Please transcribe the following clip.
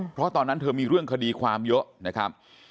เพราะตอนนั้นเธอมีเรื่องคดีความเยอะนะครับ